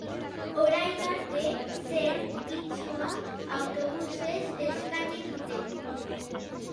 Orain arte, zerbitzua autobusez eskaini dute.